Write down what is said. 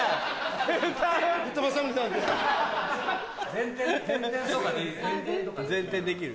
前転できる？